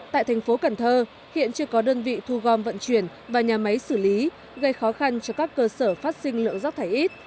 tại thành phố cần thơ hiện chưa có đơn vị thu gom vận chuyển và nhà máy xử lý gây khó khăn cho các cơ sở phát sinh lượng rắc thải ít